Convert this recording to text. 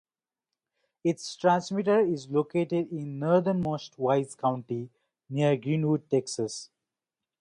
Its transmitter is located in northern most Wise County near Greenwood, Texas.